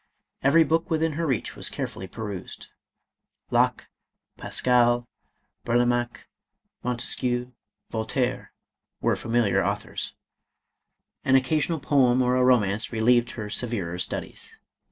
Every book within her reach was carefully perused. Locke, Pascal, Burlamaque, Mon 484 MADAME ROLAND. tesquieu, Yoltaire, were familiar authors. An occa sional poem or a romance relieved her severer studies.